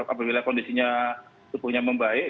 apabila kondisinya tubuhnya membaik